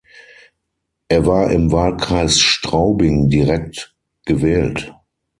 Er war im Wahlkreis Straubing direkt gewählt.